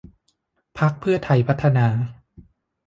พรรคเพื่อไทยพัฒนา